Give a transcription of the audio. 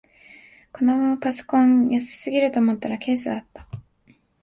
このパソコン安すぎると思ったらケースだった